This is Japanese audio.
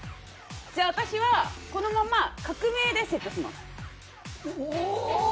私はこのまま革命でセットします。